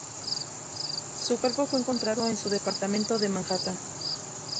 Su cuerpo fue encontrado en su departamento de Manhattan.